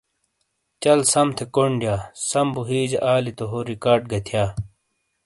چَل سَم تھے کونڈ دِیا، سَم بو ہِیجے آلی تو ہو ریکارڈ گہ تھیا۔